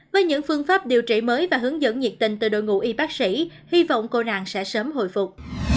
với những phương pháp điều trị mới và hướng dẫn nhiệt tình từ đội ngũ y bác sĩ hy vọng cô rạng sẽ sớm hồi phục